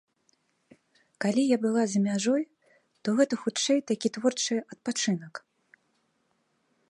Калі я была за мяжой, то гэта, хутчэй, такі творчы адпачынак.